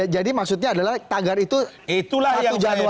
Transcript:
jadi maksudnya adalah tagar itu satu januari ganti presiden